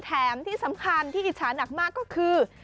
แถมที่สำคัญที่อิจฉาหนักมากก็คือ